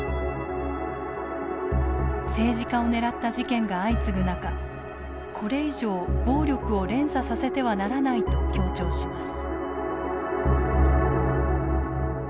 政治家を狙った事件が相次ぐ中これ以上暴力を連鎖させてはならないと強調します。